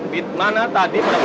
di mana tadi berlangsung